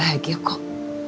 wah bahagia kok